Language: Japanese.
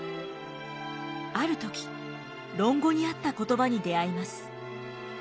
ある時「論語」にあった言葉に出会います。